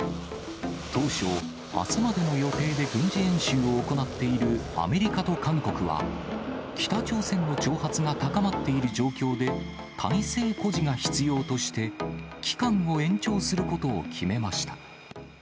当初、あすまでの予定で軍事演習を行っているアメリカと韓国は、北朝鮮の挑発が高まっている状況で、態勢誇示が必要として、期間を延長することを決めました。